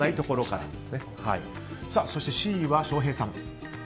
そして、Ｃは翔平さん。